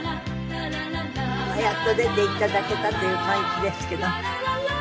やっと出ていただけたという感じですけど。